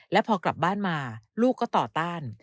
แล้วพอกลับบ้านมาลูกก็ต่อต้าน